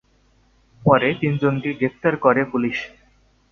পরে তিনজনকে গ্রেফতার করে পুলিশ।